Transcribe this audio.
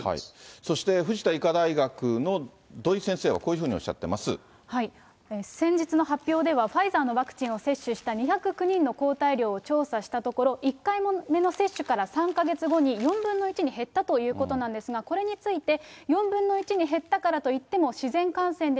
そして藤田医科大学の土井先生は、先日の発表では、ファイザーのワクチンを接種した、２０９人の抗体量を調査したところ、１回目の接種から３か月後に４分の１に減ったということなんですが、これについて、４分の１に減ったからといっても、自然感染で。